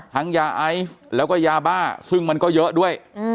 ยาไอซ์แล้วก็ยาบ้าซึ่งมันก็เยอะด้วย